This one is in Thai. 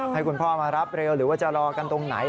ให้คุณพ่อมารับเร็วหรือว่าจะรอกันตรงไหน